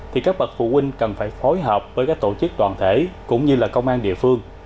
thì các bậc phụ huynh cần phải phối hợp với các tổ chức đoàn thể cũng như là công an địa phương